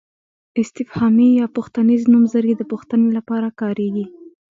استفهامي یا پوښتنیز نومځري د پوښتنې لپاره کاریږي.